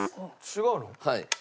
違うの？